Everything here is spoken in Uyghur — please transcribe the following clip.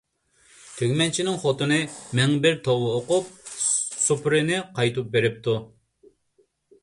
تۈگمەنچىنىڭ خوتۇنى مىڭ بىر توۋا ئوقۇپ، سۇپرىنى قايتۇرۇپ بېرىپتۇ.